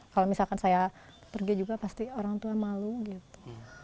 kalau misalkan saya pergi juga pasti orang tua malu gitu